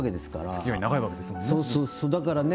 つきあい長いわけですもんね。